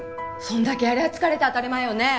そんだけやりゃあ疲れて当たり前よね。